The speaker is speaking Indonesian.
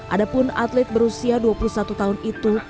adapun atlet berusia dua puluh satu tahun itu